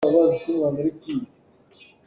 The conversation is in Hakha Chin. Amah cu ka hawi a si.